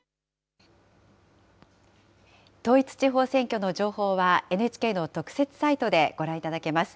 統一地方選挙の情報は、ＮＨＫの特設サイトでご覧いただけます。